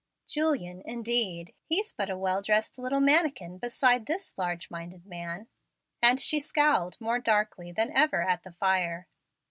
Julian indeed! He's but a well dressed little manikin beside this large minded man"; and she scowled more darkly than ever at the fire.